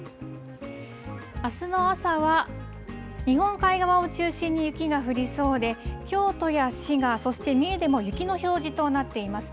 あすの朝は、日本海側を中心に雪が降りそうで、京都や滋賀、そして三重でも雪の表示となっていますね。